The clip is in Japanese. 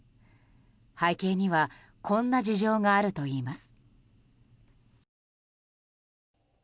背景にはこんな事情があるといいます。